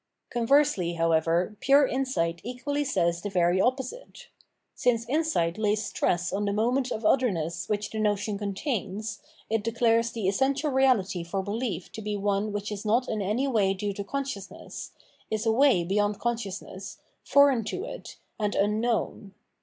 Conversely, however, pure insight equally says the very opposite. Since insight lays stress on the moment of otherness which the notion contains, it declares the essential Reahty for behef to be one which is not in any way due to consciousness, is away beyond consciousness, foreign to it, and un known.